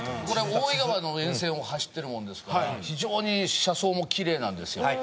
これ大井川の沿線を走ってるもんですから非常に車窓もきれいなんですよ。